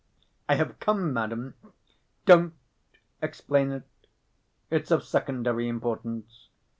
I have come, madam—" "Don't explain it. It's of secondary importance.